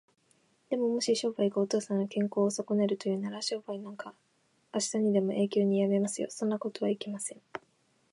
でも、もし商売がお父さんの健康をそこねるというのなら、商売なんかあしたにでも永久にやめますよ。そんなことはいけません。